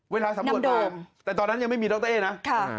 เวลาสำรวจมาแต่ตอนนั้นยังไม่มีดรเอ๊นะค่ะค่ะน้ำโดม